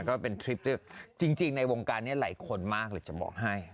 ก็เป็นทริปที่จริงในวงการนี้หลายคนมากเลยจะบอกให้